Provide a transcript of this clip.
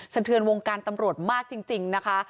เทือนวงการตำรวจมากจริงนะคะ